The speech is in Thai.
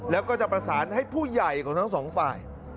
แล้วก็จะประสานให้ผู้ใหญ่ของทั้งสองฝ่าย